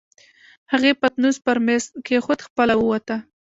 هغې پتنوس پر مېز کېښود، خپله ووته.